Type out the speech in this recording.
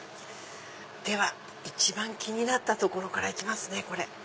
では一番気になったところから行きますね。